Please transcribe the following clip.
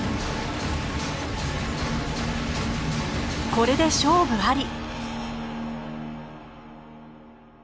これで勝負あり。